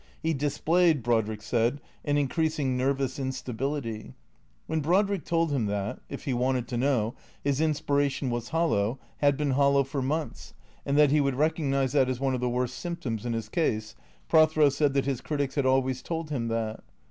He displayed, Brodrick said, an increasing nervous in stability. ^Yhen Brodrick told him that (if he wanted to know) his inspiration was hollow, had been hollow for months, and that he would recognize that as one of the worst symptoms in his case, Prothero said that his critics had always told him that.